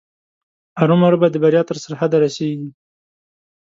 ارومرو به د بریا تر سرحده رسېږي.